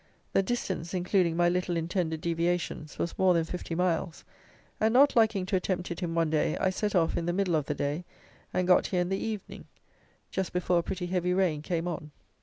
The distance, including my little intended deviations, was more than fifty miles; and, not liking to attempt it in one day, I set off in the middle of the day, and got here in the evening, just before a pretty heavy rain came on.